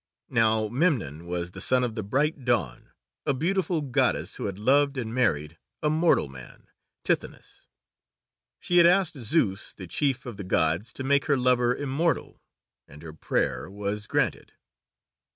Now Memnon was the son of the bright Dawn, a beautiful Goddess who had loved and married a mortal man, Tithonus. She had asked Zeus, the chief of the Gods, to make her lover immortal, and her prayer was granted.